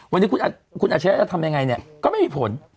วันนี้คุณอาชญาจะทำยังไงก็ก็ไม่มีผล